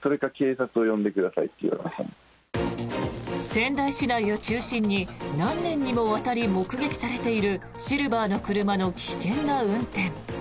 仙台市内を中心に何年にもわたり目撃されているシルバーの車の危険な運転。